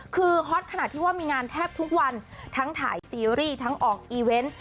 คือฮอตขนาดที่ว่ามีงานแทบทุกวันทั้งถ่ายซีรีส์ทั้งออกอีเวนต์